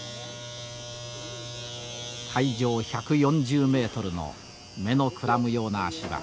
海上１４０メートルの目のくらむような足場。